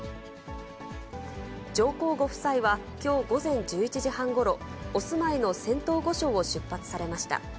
上皇ご夫妻はきょう午前１１時半ごろ、お住まいの仙洞御所を出発されました。